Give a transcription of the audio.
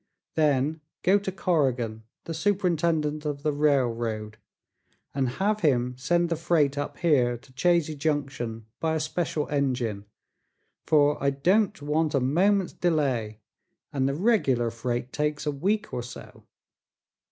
Then go to Corrigan, the superintendent of the railroad, and have him send the freight up here to Chazy Junction by a special engine, for I don't want a moment's delay and the regular freight takes a week or so.